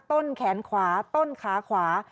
ต้นแขนขวาต้นขาขวา